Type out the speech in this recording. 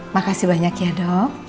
makasih banyak ya dok